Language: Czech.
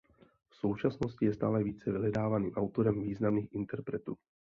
V současnosti je stále více vyhledávaným autorem významných interpretů.